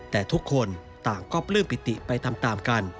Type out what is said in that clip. แต่ทุกคนต่างก็ปลื้มปิติไปตามกัน